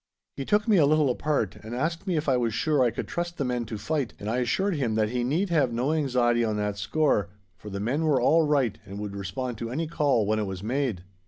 He took me a little apart and asked me if I was sure I could trust the men to fight, and I assured him that he need have no anxiety on that score, for the men were all right and would respond to any call when it was made.